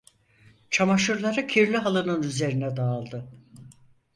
Çamaşırları kirli halının üzerine dağıldı.